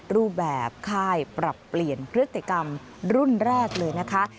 รูปแบบค่ายปรับเปลี่ยนพฤติกรรมรุ่นแรกเลยนะคะ